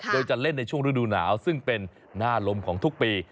โดยจะเล่นในช่วงฤดูหนาวซึ่งเป็นหน้าลมของทุกปี